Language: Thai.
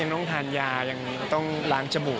ต้องทานยายังต้องล้างจมูก